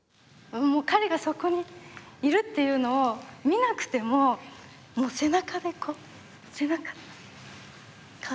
彼がそこにいるっていうのを見なくてももう背中でこう。